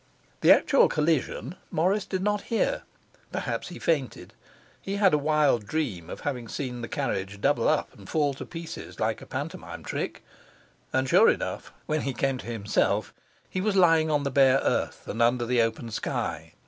The actual collision Morris did not hear. Perhaps he fainted. He had a wild dream of having seen the carriage double up and fall to pieces like a pantomime trick; and sure enough, when he came to himself, he was lying on the bare earth and under the open sky.